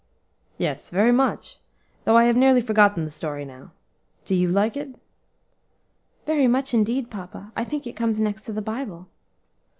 "Yes, very much, though I have nearly forgotten the story now. Do you like it?" "Very much, indeed, papa; I think it comes next to the Bible."